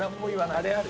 「あれある？」。